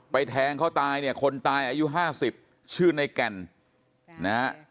ไปแทงเขาตายเนี่ยคนตายอายุ๕๐ชื่อนายแก่น